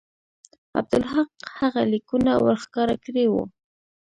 عبدالحق هغه لیکونه ورښکاره کړي وو.